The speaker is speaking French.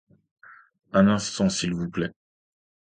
Un instant s'il vous plait...